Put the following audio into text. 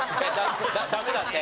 ダメだって。